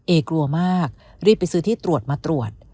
เอกลัวมากรีบไปซื้อที่ตรวจมาตรวจ